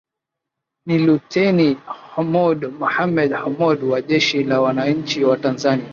Ni Luteni Hamoud Mohammed Hamoud wa Jeshi la Wananchi wa Tanzania